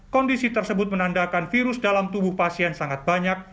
kondisi tersebut menandakan virus dalam tubuh pasien sangat banyak